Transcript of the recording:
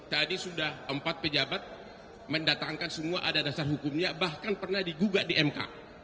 tadi sudah empat pejabat mendatangkan semua ada dasar hukumnya bahkan pernah digugat di mk